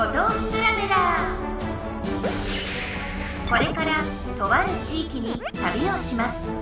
これからとある地いきにたびをします。